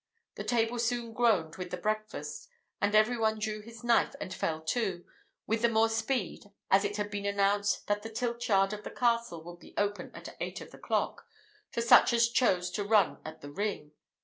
The table soon groaned with the breakfast, and every one drew his knife and fell to, with the more speed, as it had been announced that the tilt yard of the castle would be open at eight of the clock, to such as chose to run at the ring.